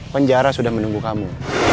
penjara sudah menunggu kamu